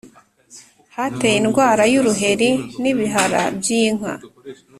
hateye indwara y uruheri n ibihara by inka